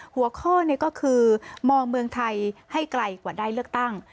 หัวข้อก็คือมองเมืองไทยให้ไกลกว่าได้เลือกตั้ง